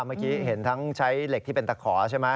เมื่อกี้เห็นทั้งใช้เหล็กที่เป็นตะขอใช่ไหม